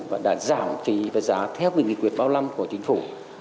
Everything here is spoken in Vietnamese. và đã giảm phí và giá theo bình nghị quyền bao năm của chính phủ